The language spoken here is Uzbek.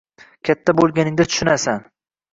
Katta bo‘lganingda tushunasan.